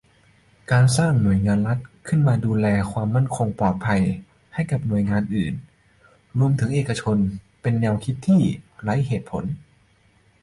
การสร้าง "หน่วยงานรัฐ" ขึ้นมาดูแลความมั่นคงปลอดภัยให้หน่วยงานอื่นรวมถึงเอกชน เป็นแนวคิดที่ไร้เหตุผล